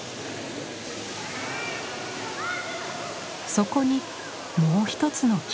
そこにもう一つの霧。